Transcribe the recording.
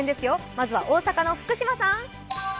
まずは大阪の福島さん。